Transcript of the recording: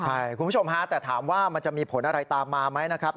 ใช่คุณผู้ชมฮะแต่ถามว่ามันจะมีผลอะไรตามมาไหมนะครับ